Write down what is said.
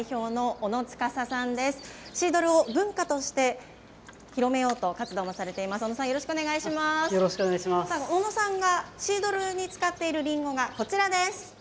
小野さんがシードルに使っているリンゴがこちらです。